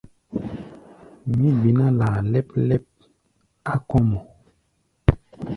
Mí gbiná laa lɛ́p-lɛ́p á kɔ̧́ mɔ.